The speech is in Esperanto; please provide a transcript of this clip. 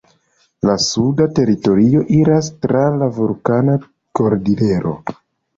La suda teritorio iras tra la Vulkana Kordilero.